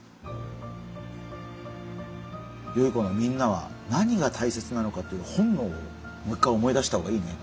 よい子のみんなは何が大切なのかっていう本能をもう一回思い出した方がいいね。